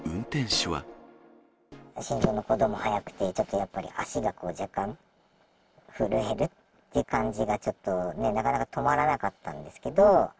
心臓の鼓動も速くて、ちょっとやっぱり、足が若干震えるっていう感じが、ちょっとね、なかなか止まらなかったんですけど。